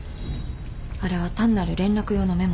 あれは単なる連絡用のメモです。